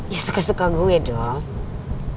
ya suka suka gue dong